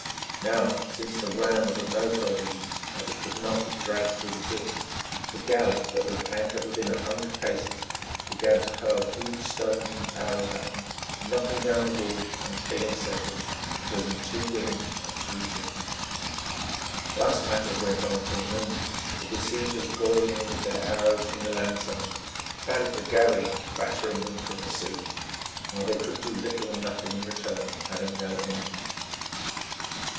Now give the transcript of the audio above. Now, since the ram was of no further use, as it could not be dragged through the ditch, the galley, that was anchored within a hundred paces, began to hurl huge stones and arrows at them, knocking down the walls and killing several, including two women and three children. Thus matters went on till noon, the besiegers galling them with their arrows from the land side and the galley battering them from the sea, while they could do little or nothing in return, having no engines.